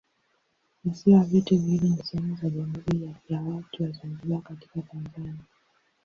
Visiwa vyote viwili ni sehemu za Jamhuri ya Watu wa Zanzibar katika Tanzania.